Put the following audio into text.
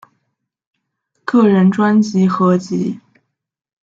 个人专辑合辑